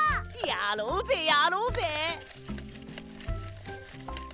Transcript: やろうぜやろうぜ！